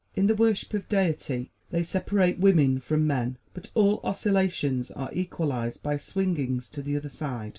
In the worship of Deity they separate women from men. But all oscillations are equalized by swingings to the other side.